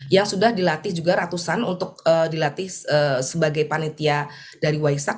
yang sudah dilatih juga ratusan untuk dilatih sebagai panitia dari waisak